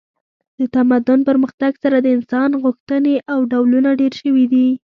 د تمدن پرمختګ سره د انسان غوښتنې او ډولونه ډیر شوي دي